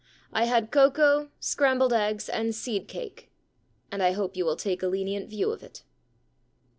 I had cocoa, scrambled eggs, and seed cake. And I hope you will take a lenient view of it.'